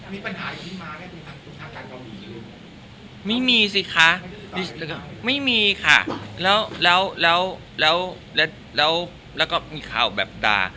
มีปัญหาอีกนิดมาก่อนทางเกาหลีหรือไม่มีสิคะไม่มีค่ะแล้วแล้วแล้วแล้วแล้วแล้วก็มีข่าวแบบด่า